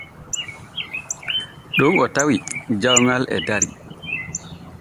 Ɗon o tawi jawŋal e dari.